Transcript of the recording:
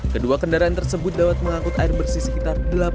kedua kendaraan tersebut dapat mengangkut air bersih sekitar